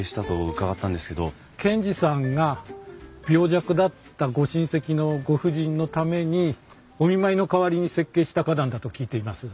賢治さんが病弱だったご親戚のご婦人のためにお見舞いの代わりに設計した花壇だと聞いています。